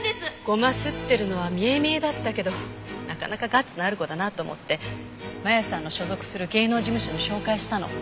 ゴマすってるのは見え見えだったけどなかなかガッツのある子だなと思って真弥さんの所属する芸能事務所に紹介したの。